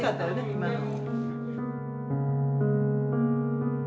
今の。